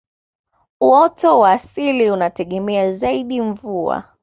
uoto wa asili unategemea zaidi mvua